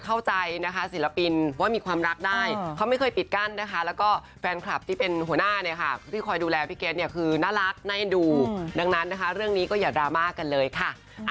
ผมชอบให้มันเป็นเรื่องในมุมส่วนตัวของผม